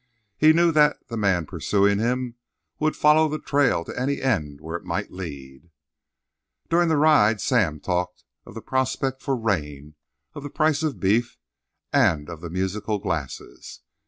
He knew that the man pursuing him would follow the trail to any end where it might lead. During the ride Sam talked of the prospect for rain, of the price of beef, and of the musical glasses.